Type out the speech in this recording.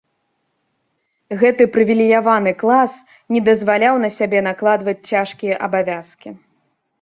Гэты прывілеяваны клас не дазваляў на сябе накладваць цяжкія абавязкі.